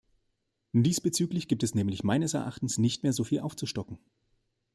Diesbezüglich gibt es nämlich meines Erachtens nicht mehr so viel aufzustocken.